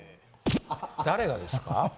誰がですか？